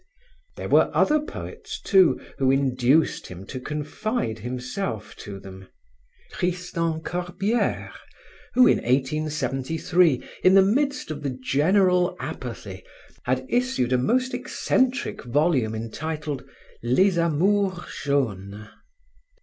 There were other poets, too, who induced him to confide himself to them: Tristan Corbiere who, in 1873, in the midst of the general apathy had issued a most eccentric volume entitled: Les Amours jaunes.